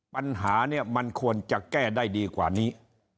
ปัญหาเนี่ยมันควรจะแก้ได้ดีกว่านี้